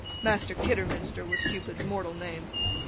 (Master Kidderminster was Cupid's mortal name.)